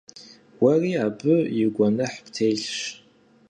Уэри абы и гуэныхь птелъщ.